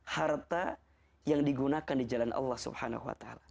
harta yang digunakan di jalan allah swt